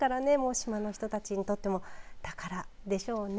島の人たちにとっても宝でしょうね。